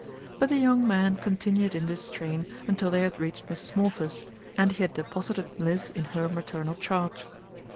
But the young man continued in this strain until they had reached Mrs. Morpher's, and he had deposited Mliss in her maternal charge.